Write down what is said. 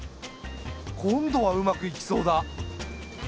今度はうまくいきそうだ。